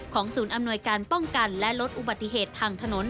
ศูนย์อำนวยการป้องกันและลดอุบัติเหตุทางถนน